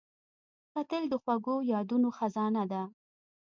کتل د خوږو یادونو خزانه ده